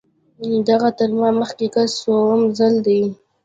دغه تر ما مخکې کس څووم ځل دی.